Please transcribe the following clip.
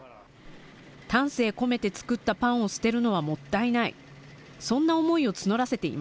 丹精込めて作ったパンを捨てるのはもったいない。